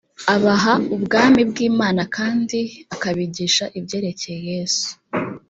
abaha ubwami bw imana kandi akabigisha ibyerekeye yesu